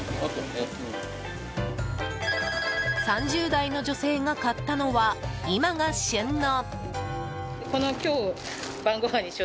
３０代の女性が買ったのは今が旬の。